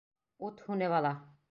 Ут һүнеп ала.